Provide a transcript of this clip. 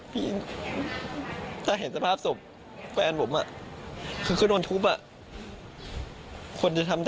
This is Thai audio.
พี่ถ้าเห็นสภาพศพแฟนผมอ่ะ